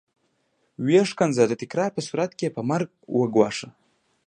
ويې ښکنځه د تکرار په صورت کې يې په مرګ وګواښه.